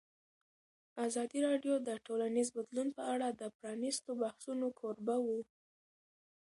ازادي راډیو د ټولنیز بدلون په اړه د پرانیستو بحثونو کوربه وه.